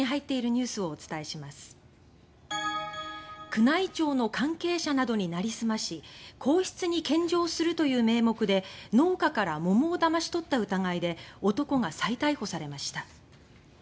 宮内庁の関係者などになりすまし皇室に献上するという名目で農家から桃をだまし取った疑いで男が再逮捕されました。